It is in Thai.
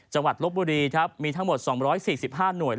จังหวัดลบบุรีมีทั้งหมด๒๔๕หน่วย